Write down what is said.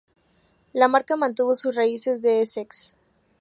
La marca mantuvo sus raíces de Essex.